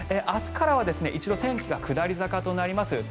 明日からは一度天気が下り坂となります。